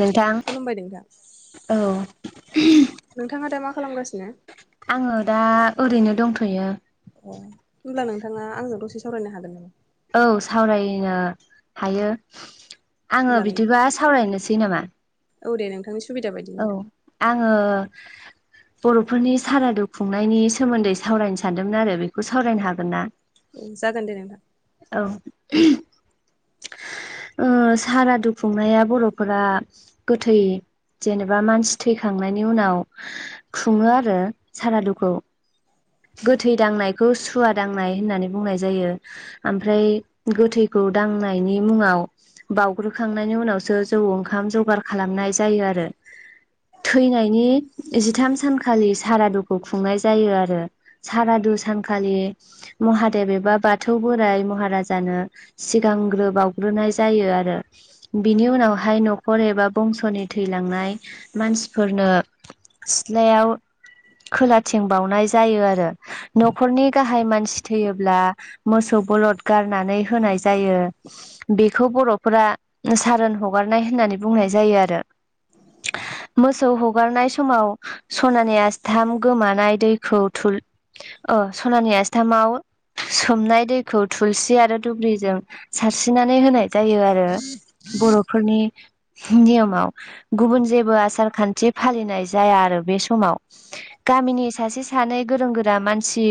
नोंथां खुलुमबाय नोंथां औ नोंथाङा दा मा खालामगासिनो आङो दा ओरैनो दंथ'यो अ होमब्ला नोंथाङा आंजों दसे सावरायनो हागोन नामा औ सावरायनो हायो आङो होमब्लालाय बिदिबा सावरायनोसै नामा औ दे नोंथांनिसि औ आङो बर'फोरनि सारादु खुंनायनि सोमोन्दै सावरायनो सानदोंमोन आरो बेखौ सावरायनो हागोन ना औ जागोन दे नोंथां औ ओ सारादु खुंनाया बर'फोरा गोथै जेनेबा मानसि थैखांनायनि उनाव खुङो आरो सारादुखौ गोथै दांनायखौ सुवा दांनाय होननानै बुंनाय जायो ओमफ्राय गोथैखौ दांनायनि मुङाव बाउग्रोखांनायनि उनावसो जौ ओंखाम जगार खालामनाय जायो आरो थैनायनि जिथाम सानखालि सारादुखौ खुंनाय जायो आरो सारादु सानखालि महादेब एबा बाथौ बोराइ महाराजानो सिगांग्रोबावग्रोनाय जायो आरो बिनि उनावहाय न'खर एबा बंस'नि थैलांनाय मानसिफोरनो सिथ्लायाव खोलाथिं बावनाय जायो आरो न'खरनि गाहाय मानसि थैयोब्ला मोसौ बलद गारनानै होनाय जायो बेखौ बर'फोरा सारोन हगारनाय होननानै बुंनाय जायो आरो [inaudible] मोसौ हगारनाय समाव सनानि आस्थाम गोमानाय दैखौ थु अ सनानि आस्थामाव सोमनाय दैखौ थुलसि आरो दुब्रिजों सारस्रिनानै होनाय जायो आरो बर'फोरनि नियमाव गुबुन जेबो आसार खान्थि फालिनाय जाया आरो बे समाव गामिनि सासे सानै गोरों गोरा मानसि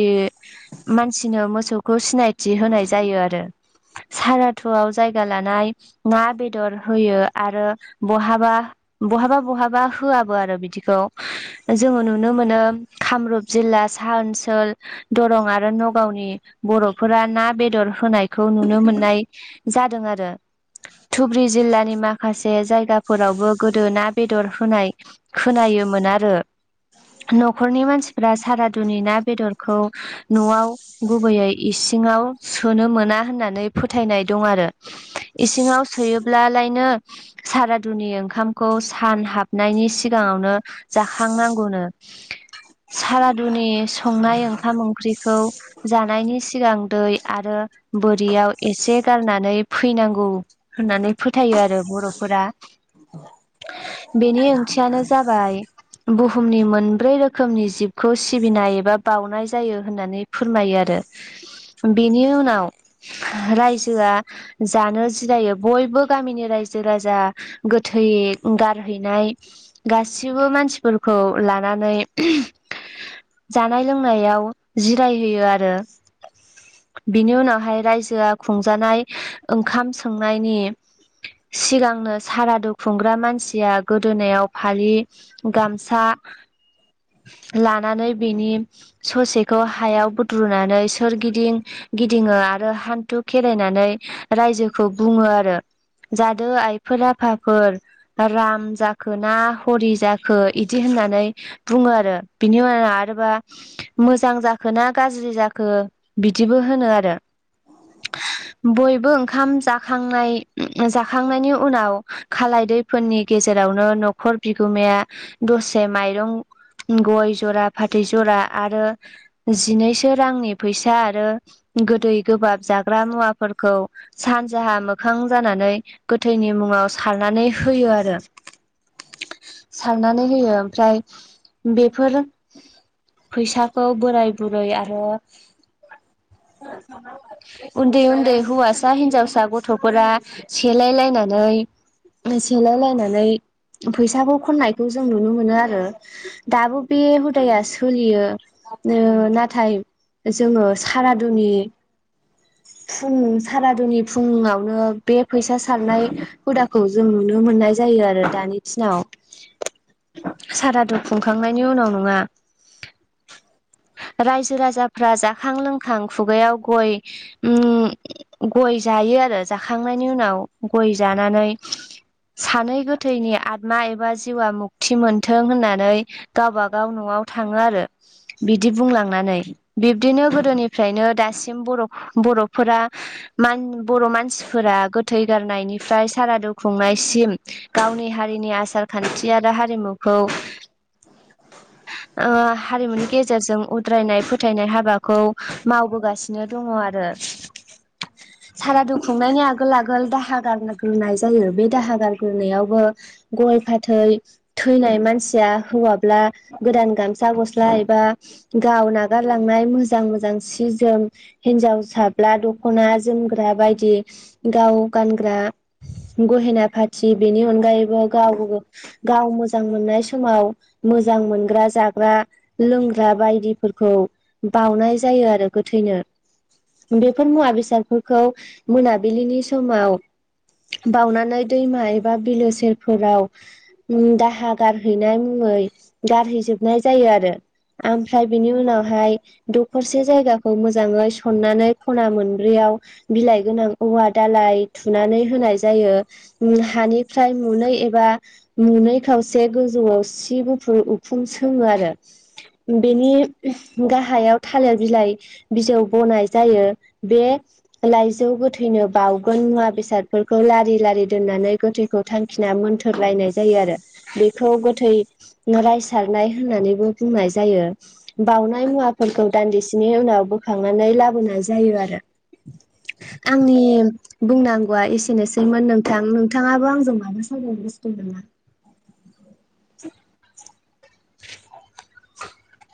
मानसिनो मोसौ खौ सिनायथि होनाय जायो आरो सारादुआव जायगा लानाय ना बेदर होयो आरो बहाबा बहाबा बहाबा होआबो आरो बिदिखौ जोङो नुनो मोनो कामरुप जिल्ला साहा ओनसोल दरं आरो न'गावनि बर'फोरा ना बेदर होनायखौ नुनो मोननाय जादों आरो। धुबुर्रि जिल्लानि माखासे जायगाफोरावबो गोदो ना बेदर होनाय खोनायोमोन आरो न'खरनि मानसि ब सारादुनि ना बेदरखौ न'आव गुबैयै इसिङाव सोनो मोना होननानै फोथायनाय दं आरो इसिङाव सोयोब्लालायनो सारादुनि ओंखामखौ सान हाबनायनि सिगाङावनो जाखांनांगौनो सारादुनि संनाय ओंखाम ओंख्रिखौ जानायनि सिगां दै आरो बोरियाव एसे गारनानै फैनांगौ। होननानै फोथायो आरो बर'फोरा औ। बेनि ओंथियानो जाबाय बुहुमनि मोनब्रै रोखोमनि जिबखौ सिबिनाय एबा बानाय जायो होननानै फोरमायो आरो बेनि उनाव रायजोआ जानो जिरायो बयबो गामिनि रायजो राजा गोथै गारहैनाय गासिबो मानसिफोरखौ लानानै जानाय लोंनायाव जिरायहोयो आरो। बिनि उनावहाय रायजोआ खुंजानाय ओंखाम सोंनायनि सिगांनो सारादु खुंग्रा मानसिया गोदोनायाव फालि गामसा लानानै बिनि ससेखौ हायाव बुद्रुनानै सोर गिदिं गिदिङो आरो हान्थु खेरायनानै रायजोखौ बुङो आरो जादो आइफोर आफाफोर राम जाखो ना हरि जाखो इदि होननानै बुङो आरो बिनि उनाव आरोबा मोजां जाखो ना गाज्रि जाखो बिदिबो होनो आरो बयबो ओंखाम जा जां जाखांनायनि उनाव खालाय दैफोरनि गेजेरावनो न'खर बिगोमाया दसे माइरं गय जरा फाथै जरा आरो जिनैसो रांनि फैसा आरो गोदै गोबाब जाग्रा मुवाफोरखौ सानजाहा मोखां जानानै गोथैनि मुङाव सारनानै होयो आरो। आ। सारनानै होयो ओमफ्राय बेफोर फैसाखौ बोराय बुरै आरो औ। उन्दै उन्दै हौवासा हिनजावसा गथ'फोरा सेलाय लायनानै सेलायलायनानै फैसाखौ खननायखौ जों नुनो मोनो आरो। दाबो बे हुदाया सोलियो नाथाय जोङो सारादुनि [inaudible] फुं सारादुनि फुुङावनो बे फैसा सारनाय हुदाखौ जों नुनो मोननाय जायो आरो दानि दिनाव [inaudible] सारादु खुंखांनायनि उनाव नङा रायजो राजाफोरा फ्रा जाखां लोंखां खुगायाव गय गय जायो आरो जाखांनायनि उनाव गय जानानै सानै गोथैनि आतमा एबा जिउआ मुक्ति मोनथों होननानै गावबागाव न'आव थाङो आरो बिदि बुंलांनानै बिब्दिनो गोदोनिफ्रायनो दासिम बर' बर'फोरा मान बर' मानसिफोरा गोथै गारनायनिफ्राय साराादु खुंनायसिम गावनि हारिनि आसार खान्थि आरो हारिमु हारिमुनि गेजेरजों उद्रायनाय फोथायनाय हाबाखौ मावबोगासिनो दङ आरो साराादुखुंनायनि आगोल आगोल दाहा गारग्रोनाय जायो बे दाहा गारग्रोनायाव गय फाथै थैनाय मानसिया हौवाब्ला गोदान गामसा गस्ला एबा गावना गारलांनाय मोजां मोजां सि जोम हिनजाव साब्ला दख'ना जोमग्रा बायदि गाव गानग्रा गहेना फ से बेनि अनगायैबो गाव गाव मोजां मोननाय समाव मोजां मोनग्रा जाग्रा लोंग्रा बायदिफोरखौ खौ बाउनाय जायो आरो गोथैनो बेफोर मुवा बेसादफोरखौ मोनाबिलिनि समाव बानानै दैमा एबा बिलो सेरफोराव दाहा गारहैनाय मुङै गारहैजोबनाय जायो आरो ओमफ्राय बेनि उनावहाय दखरसे जायगाखौ मोजाङै सननानै खना मोनब्रैयाव बिलाइ गोनां औवा दालाय थुनानै होनाय जायो हानिफ्राय मुनै एबा नुनै खावसे गोजौआव सि गुफुर उखुं सोङो आरो बेनि गाहायाव थालिर बिलाइ बिजौ बनाय जायो। बे लाइजौ गोथां थैनो बावउगोन मुवा बेसादफोरखौ लारि लारि दोननानै गोथैखौ थांखिना मोनथोर सलायनाय जायो आरो बे खौ गोथै रायसारनाय होननानैबो बुंनाय जायो बावनाय मुवा फोरखौ दान्दिसेनि उनाव बोखांनानै लाबोनाय जायो आरो आंनि बुंनांगौआ एसेनोसैमोन नोंथां नोंथाङाबो आंजों मानो सावरायनो गोसो दं नामा?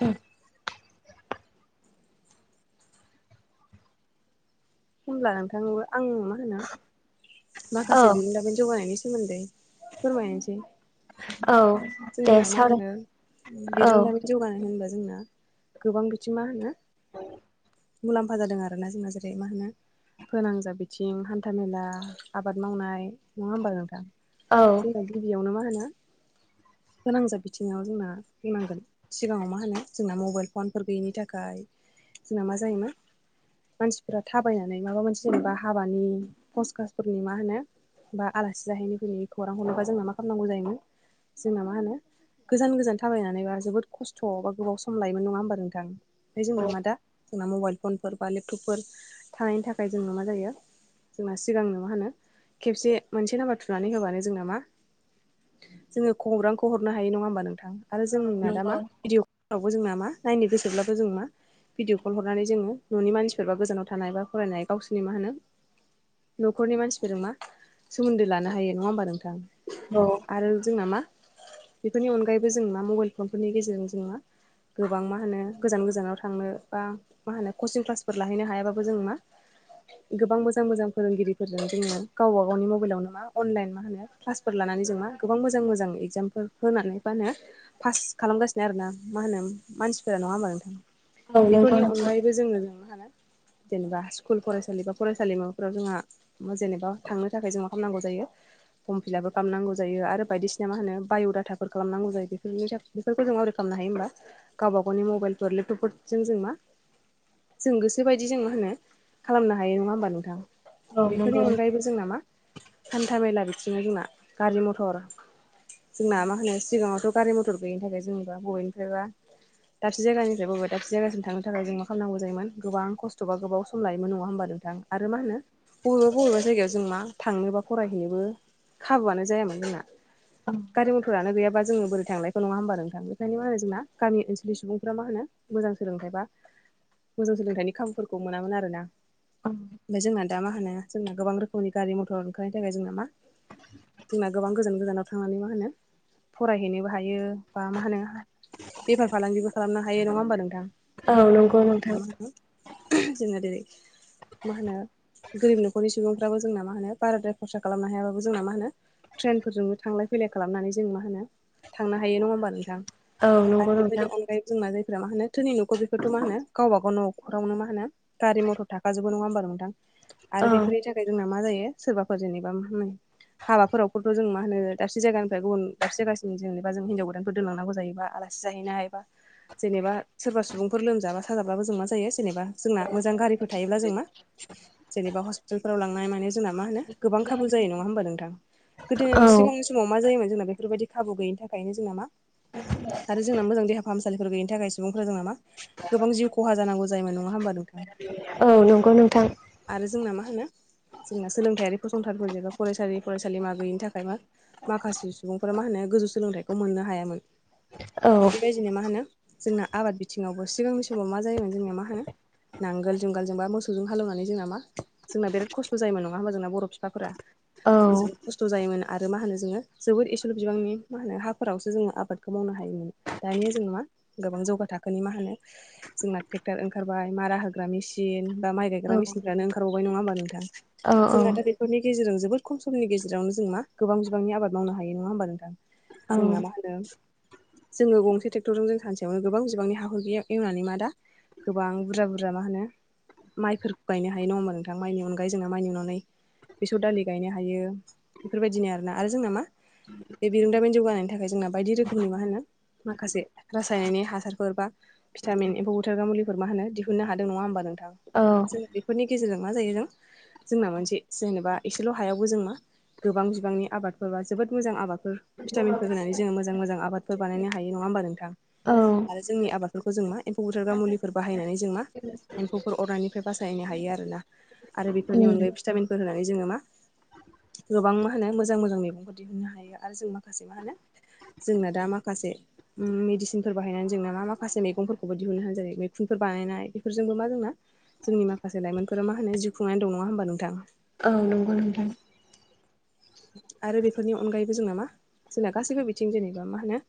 औ होमब्ला नोंथांबो आं मा होनो माखासे बिनि बागै जौगानायनि सोमोन्दै फोरमायनोसेै जोंना मा होनो औ बिरोंदामि जौगानाय होनबा जोंना गोबां बिथि मा होनो औ मुलाम्फा जादों आरो ना जोंना जेरै मा होनो फोनांजाब बिथिं हान्था मेला आबाद मावनाय नङा होमबा नोंथां औ दा गिबियावनो मा होनो गोनांजाब बिथिङाव जोंना बुंनांगोन सिगाङाव मा होनो जोंना मबाइल फनफोर गैयिनि थाखाय जोंना मा जायोमोन मानसिफोरा थाबायनानै माबा मोनसे जेनेबा हाबानि खसकासफोरनि मा होनो बा आलासि जाहैनो फैै खौरां हरनोबा जोंबना मा खालामनांगौ जायोमोन जोंना मा होनो गोजान गोजान थाबायनानैबा जोबोद खस्थ' बा गोबाव सम लायोमोन नङा होमबा नोंथां ओमफ्राय जोंना मा दा जोंना मबाइल फनफोर बा लेपटपफोर थानायनि थाखाय जोंनो मा जायो जोंना सिगांनो मा होनो खेबसे मोनसे नाम्बार थुनानै होबानो जोंना मा जोङो खौरांखौ हरनो हायो नङा होमबा नोंथां आरो जोंना दा मा भिडिअ फोरावबो जोंना मा नायनो गोसोब्लाबो जों मा भिडिय' कल हरनानै जोङो न'नि मानसिफोरबा गोजानाव थानाय बा फरायनाय गावसोरनि मा होनो न'खरनि मानसिफोर मा सोमोन्दो लानो हायो नङा होमबा नोंथां औ आरो जोंना मा बेफोरनि अनगायैबो जोंनाा मबाइल फनफोरनि गेजेरजों जोंना गोबां मा होनो गोजान गोजानाव थांनो बा मा होनो कचिं क्लासफोर लाहैनो हायाबाबो जों मा गोबां मोजां मोजां फोरोंगिरिफोरजोंनो जोङो गावबा गावनि मबाइलावनो मा अनलाइन मा होनो क्लासफोर लानानै जों मा गोबां मोजां मोजां इगजामफोर होनानै फानो पास खालामगासिनो आरोना मा होनो मानसिफोरा नङा होमबा नोंथां औ नंगौ बेफोरनि नोंथां अनगायैबो जोङो जोंनो हला जेनेबा स्कुल फरायसालि बा फरायसालिमाफोराव जोंहा जेनेबा थांनो थाखाय जों खालामनांगौ जायो फर्म फिलापबो खालामनांगौ जायो आरो बायदिसिना मा होनो बाय'डाटाफोर खालामनांगौ जायो बेफोरनि थाखाय बेफोरखौ जों मावरि खालामनो हायो होमबा गावबा गावनि मबाइलफोर लेपटपफोरजों जों मा जों गोसोोबायदि जों मा होनो खालामनो हायो नङा होमबा नोंथां बेफोरनि औ अनगायैबो जोंना मा हान्था मेला बिथिङनो जोंना गारि मथर जोंना मा होनो सिगाङावथ' गारि मथर गैयिनि थाखाय जेनेबा बबेनिफ्रायबा दाबसे जायगानिफ्राय बबबो दाबसे जायासिम थांनो थाखाय जों मा खालामनांगौ जोयोमोन गोबां खस्थ' बा गोबाव सम लायो नङा होमबा नोंथां आरो मा होनो बबेबा बबेबा जायगायाव जों मा थांनोबा फरायहैनोबो खाबुआनो जायामोन जोंना गारि मथरानो गैयाबा जोंङो बोरै थांलाय नङा हबा नोंथां बेखायनो मा होनो जोंना गामि ओनसोलनि सुबुंफ्रा मा होनो मोजां सोलोंथाइ बा मोजां सोलोंथाइनि खाबुफोरखौ मोनामोन आरो ना [unintelligible] ओमफ्राय जोंना द मा होनो जोंना गोबां रोखोमनि गारि मथर ओंखारनायनि थाखाय जोंना मा जोंना गोबां गोजान गोजानाव थांनानै मा होनो फरायहैनोबो हायो बा मा होनो बेफार फालांगिबो खालामनो हायो नङा होमबा नोंथां औ नंगौ नोंथां जोना जेरै मा होनो गोरिब न'खरनि सुबुंफ्राबो जोंना मा होनो बाराद्राय खरसा खालामनो हायाबाबो जोंना मा होनो ट्रेनफोरजोंबो थांलाय फैलाय खालामनानै जों मा होनो थांनो हायो नङा होमबा नोंथां औ नंगौ आरो नोंथां बेफोरनि अनगायैबो जोंना जायफोरा्रा मा होनो धोनि न'खौ बेखौथ' मा होनो गावबा गाव नखरावनो मा होनो गारि मथर थाखाजोबो नङा होमबा नोंथां औ आरो बेफोरनि थाखाय जोंना मा जायो सोरबाफोर जेनेबा मा होनो हाबाफोराव खौथ' जों मा होनो दाबसे जायगानिफ्राय गुबुनाबसे जायगसिम जेनेबा जों हिनजाव गोदानफोर दोनलनांगौ जायोबा आलासि जाहैनाय बा जेनेबा सोरबा सुबुंफोर लोमजाबा साजाब्लाो जों मा जायो जेनेबा जोंना मोजां गारिफोर थायोब्ला जों मा जेनेबा हस्पिटालफोराव लांनाय माने जोंना मा होनो गोबां खाबु जायो नङा होमबा नोंथां गोदोनि औ सिगांङाव बे समाव मा जायोमोन जोंना बेफोरबायदि खाबु गोयैनि थाखायनो जोंना मा [unintelligible] आरो जोंना मोजां देहा फाहामसालिफोर गैयनि थाखाय सुबुंफोरा जोंना मा गोबां जिउ खहा जानांगौ जायोमोन नङा होमबा नोंथां औ नंगौ नोंथां आरो जोंना मा होनो जोंना सोलोंथायाइयारि फसंथानफोर जेबा फरायसालि फरायसालि मा गैयिनि थाखाय मा माखासे सुबुंफोरा मा होनो गोजौ सोलोंथाइखौ मोननो हायामोन औ दिनै मा होनो जोंना आबाद बिथिङावबो सिगांनि समाव मा जायोमोन जोंनिया मा होनो नांगोल जुंगालजों बा मोसौजों हालौनानै जोंना मा जोंना बेराद खस्थ' जायोमोन नङा होमा जोंना बर' फिफाफोरा औ जों खस्थ' जायोमोन आरो मा होनोङो जोबोद इसेल' बिबांनि मा होनो हाफोरावसो जोङो आबादखौ मावनो हायोमोन दानिया जों मा गोबां जौगा थाखोनि मा होनो जोंना ट्रेक्टार ओंखारबाय मारा होग्रा मेसिन बा माइ गायग्रा औ मिसिनफ्रानो ओंखारबावबाय नङा होमबा नोंथां औ जोंना थ' बे बेफोरनि गेजेरजों जोबोद खम समनि गेजेरावनो जों मा गोबां बिबांनि आबाद मावनो हायो नङा होमबा नोंथां औ जोंना मा होनो जोङो गंसे ट्रेक्टरजों जों सानसेयावनो गोबां बिबांनि हार गैया एवनानै मा दा गोबां बुरजा बुरजा मा होनो माइफोरखौ गायनो हायो नङा होमबा नोंथां माइनि अनगायै जोंना माइनि अननानै बेसर दालि गायनो हायो बेफोरबायदिनो आरोना आरो जोंना मा बे बिरोंदामिन जौगानायनि थाखाय जोंना बायदि रोखोमनि मा होनो माखासे रासायनारि हासारफोर बा भिटामिन एम्फौ बुथारग्रा मुलिफोर मा होनो दिहुननो हादों नङा होमबा नोंथां औ जों बेफोरनि गेजेरजों मा जायो जों जोंना मोनसे जेनेबा एसेल' हायावबो जों मा गोबां बिबांनि आबादफोरबा जोबोद मोजां आबादफोर भिटामिनफोर होनानै जोङो मोजांङै मोजां आबादफोर बानायनो हायो नङा होमबा नोंथां औ आरो जोंनि आबादफोरखौ जों मा एम्फौ बुथारग्रा मुलिफोर बाहायनानै जों मा एम्फौ बे अरनिफ्राय बासायनो हायो आरोना आरो बेफोरनि अनगायै भिटामिनफोर होनानै जोङो मा गोबां मा होनो मोजां मोजां मैगंफोर दिहुननो हायो आरो जों माखासे मा होनो जोंना दा माखासे मेदिसिनफोर बाहायनानै जोंना मा माखासे मैगंफोरखौबो दिहुननो होनानो जायो मैखुनफोर बानायनाय बेफोरजोंबो मा जोंना जोंनि माखासे लाइमोनफोरा मा होनो जिउ खुंनानै दं नङा होमबा नोंथां औ नंगौ नोंथां [inaudible] आरो बेफोरनि अनगायैबो जोंना मा जोंना गासैबो बिथिं जेनेबा मा होनो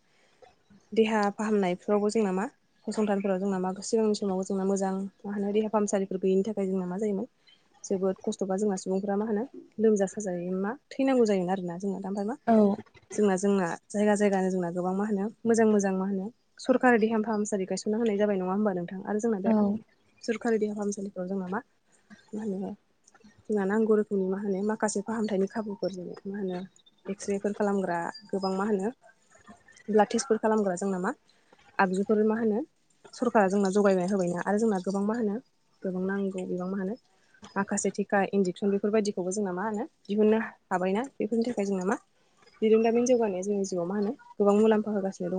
देहा फाहामनायफ्रावबो जोंना मा फसंथानफोराव जोंना मा सिगांनि समावबो जोंना मोजां मा होनो देहा फाहामसालिफोर गैयिनि थाखाय जोंना मा जायोमोन जोबोद खस्थ'बा जोंना सुबुंफोरा मा होनो लोमजा साजायाव मा थैनांगौ जायोन आरोना जोंना दा ओमफ्राय मा औ जोंना जोंना जायगा जायगानो जोंना गोबां मा होनो मोजां मोजां मा होनो सरकारि देहा फाहामसालि गायसनना होनाय जाबाय नङा होमबा नोंथां आरो जोंना बे औ खारि देहा फाहामसालिफ्राव जोंना मा मा होनो जोंहा नांगौ रोखोमनि मा होनो माखासे फाहामथायनि खाबुफोर जों मा होनो एक्सरेफोर खालामग्रा गोबां मा होनो ब्लाड टेस्टफोर खालामग्रा जोंना मा आगजुफोर मा होनो सरकारा जोंना जगायना होबायना आरो जोंना गोबां मा होनो गोबां नांगौ बिबां मानो माखासे टिका इन्जेकसन बेफोरबायदिखौबो जोंना मा होनो दिहुननो हाबायना बेफोरनि थाखाय जोंना मा बिरोंदामिन जौगानाया जोंनि जिउआव मा होनो गोबां मुलामफा होगासिनो दं